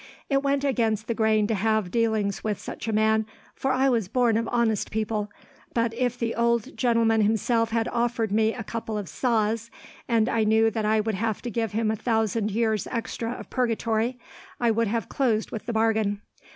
"It went against the grain to have dealings with such a man, for I was born of honest people, but if the ould gentleman himself had offered me a couple of saws, and I knew that I would have to give him a thousand years extra of purgatory, I would have closed with the bargain.